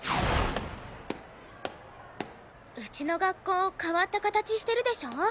うちの学校変わった形してるでしょ？